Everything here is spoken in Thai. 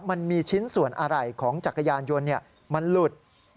มันมีชิ้นส่วนอะไรของจักรยานยนต์มันหลุด